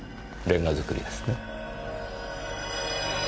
レンガ造りですね。